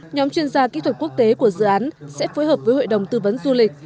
nhóm chuyên gia kỹ thuật quốc tế của dự án sẽ phối hợp với hội đồng tư vấn du lịch